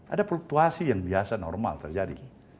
ada fluktuasi yang biasa normal terjadi